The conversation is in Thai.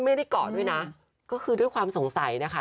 ไม่ได้เกาะด้วยนะก็คือด้วยความสงสัยนะคะ